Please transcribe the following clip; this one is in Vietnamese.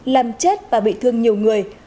làm chết và bị thương nhiều người